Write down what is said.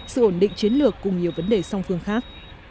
sự ổn định chiến lược cùng nhiều vấn đề song phương khác